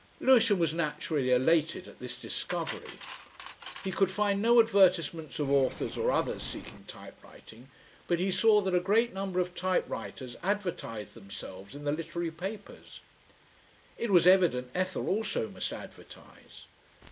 Lewisham was naturally elated at this discovery. He could find no advertisements of authors or others seeking typewriting, but he saw that a great number of typewriters advertised themselves in the literary papers. It was evident Ethel also must advertise.